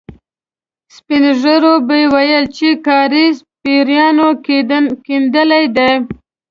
سپين ږيرو به ويل چې کاریز پېريانو کېندلی دی.